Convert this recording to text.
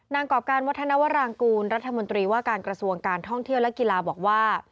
กรอบการวัฒนวรางกูลรัฐมนตรีว่าการกระทรวงการท่องเที่ยวและกีฬาบอกว่า